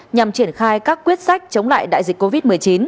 nhằm triển khai các quyết sách chống lại đại dịch covid một mươi chín